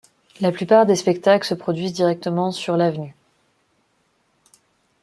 La plupart des spectacles se produisent directement sur la Avenue.